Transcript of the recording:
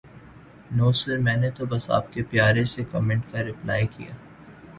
نو sir میں نے تو بس آپ کے پیارے سے کومینٹ کا رپلائے کیا